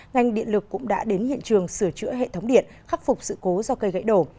ngành điện lực cũng đã đến hiện trường sửa chữa hệ thống điện khắc phục sự cố do cây gãy đổ